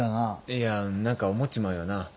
いや何か思っちまうよな。